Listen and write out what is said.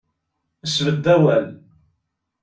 Sbedd awal.